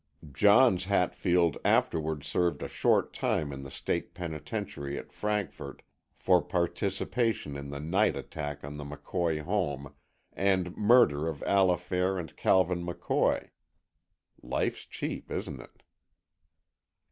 Johns Hatfield afterward served a short term in the State penitentiary at Frankfort for participation in the night attack on the McCoy home and murder of Allifair and Calvin McCoy. Life's cheap, isn't it?